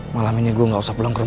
malam ini gue gak usah pelengkrum